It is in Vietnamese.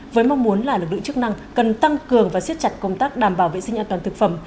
với mong muốn là lực lượng chức năng cần tăng cường và siết chặt công tác đảm bảo vệ sinh an toàn thực phẩm